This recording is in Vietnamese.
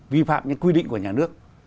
vi phạm những quy định của nhà nước